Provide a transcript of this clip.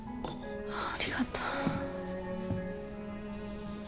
ありがとう